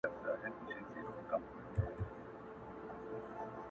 د مرگ پښه وښويېدل اوس و دې کمال ته گډ يم;